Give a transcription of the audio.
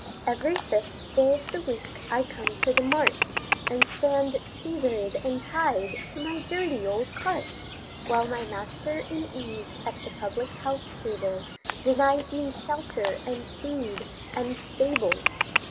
Every fifth day of the week I come to the mart, And stand tethered and tied to my dirty old cart, While my master in ease at the public house table, Denies me shelter, and food, and stable.